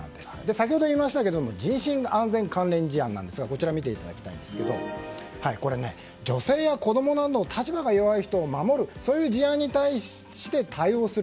先ほど言いましたけれども人身安全関連事案なんですがこちら女性や子供など立場が弱い人を守るそういう事案に対して対応する。